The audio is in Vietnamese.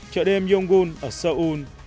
chợ đêm yongun ở seoul